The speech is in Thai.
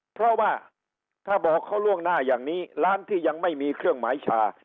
เพราะว่าถ้าบอกเขาล่วงหน้าอย่างนี้ร้านที่ยังไม่มีเครื่องหมายชา